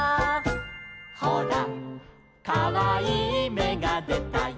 「ほらかわいいめがでたよ」